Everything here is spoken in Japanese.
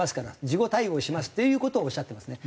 「事後対応します」っていう事をおっしゃってますね。